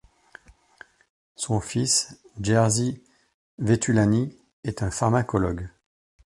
Son fils Jerzy Vetulani est un pharmacologue.